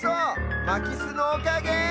まきすのおかげ！